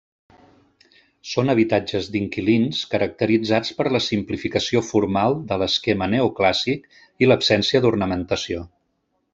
Són habitatges d'inquilins caracteritzats per la simplificació formal de l'esquema neoclàssic i l'absència d'ornamentació.